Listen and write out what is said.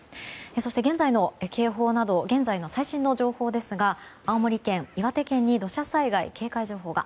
そして現在の警報など最新の情報ですが青森県、岩手県に土砂災害警戒情報が。